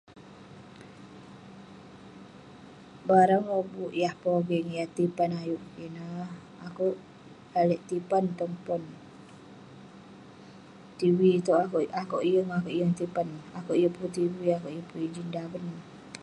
Barang lobuk yah pogeng, yah tipan ayuk kik ineh, akouk lalek tipan tong pon..tv itouk akouk, akouk yeng..akouk yeng tipan, akouk yeng pun tv,akouk yeng pun ijin daven..